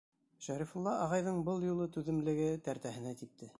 Шәрифулла ағайҙың был юлы түҙемлеге тәртәһенә типте.